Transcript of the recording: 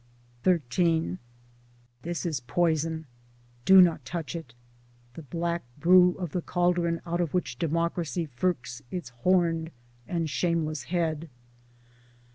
XIII This is poison ! do not touch it — the black brew of the cauldron out of which Democracy firks its horned and shameless head.